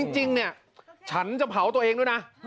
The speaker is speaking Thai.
จริงเนี่ยฉันจะเผาตัวเองด้วยนะ